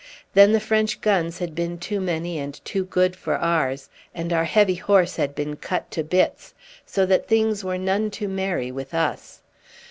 Then the French guns had been too many and too good for ours, and our heavy horse had been cut to bits, so that things were none too merry with us.